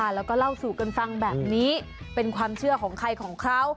แล้วก็เล่าสู่กันฟังแบบนี้เป็นความเชื่อของใครของเขา